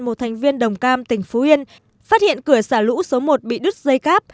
một thành viên đồng cam tỉnh phú yên phát hiện cửa xả lũ số một bị đứt dây cáp